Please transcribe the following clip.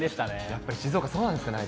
やっぱり静岡、そうなんです